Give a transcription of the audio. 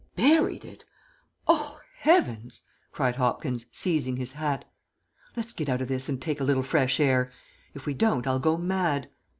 "Buried it? Oh, Heavens!" cried Hopkins, seizing his hat. "Let's get out of this and take a little fresh air; if we don't, I'll go mad.